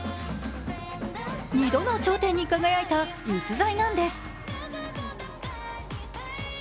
２度の頂点に輝いた逸材なんです。